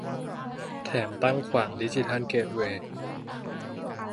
แถมตั้งขวางดิจิทัลเกตเวย์